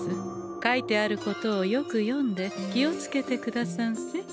書いてあることをよく読んで気を付けてくださんせ。